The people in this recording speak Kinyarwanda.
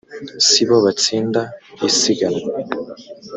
si bo batsinda isiganwa